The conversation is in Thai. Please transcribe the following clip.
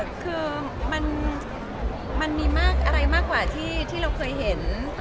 มาธึ่งค่ะมันมีอะไรกว่าที่เราคนนี่เห็น